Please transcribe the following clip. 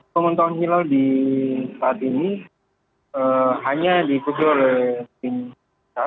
pemantauan hilal di saat ini hanya dikutuk oleh